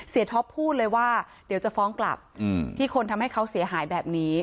ท็อปพูดเลยว่าเดี๋ยวจะฟ้องกลับที่คนทำให้เขาเสียหายแบบนี้